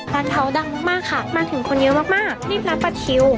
ร้านเขาดังมากค่ะมาถึงคนเยอะมากมากรีบรับประทิว